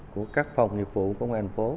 của các phòng nghiệp vụ công an phố